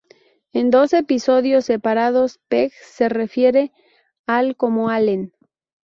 En dos episodios separados, Peg se refiere a Al como Allen.